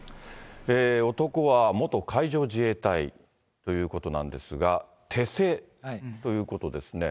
男は元海上自衛隊ということなんですが、手製ということですね。